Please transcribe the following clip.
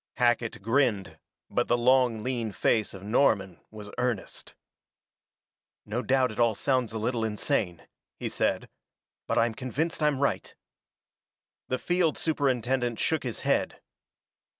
Hackett grinned, but the long, lean face of Norman was earnest. "No doubt it all sounds a little insane," he said, "but I'm convinced I'm right." The field superintendent shook his head.